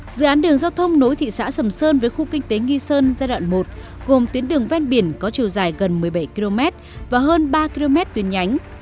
dự án đường giao thông nối thị xã sầm sơn với khu kinh tế nghi sơn giai đoạn một gồm tuyến đường ven biển có chiều dài gần một mươi bảy km và hơn ba km tuyến nhánh